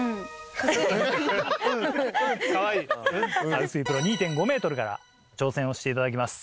臼井プロ２．５ｍから挑戦をしていただきます。